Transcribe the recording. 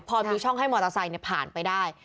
พอมีช่องให้มอเตอร์ไซค์ผ่านไปได้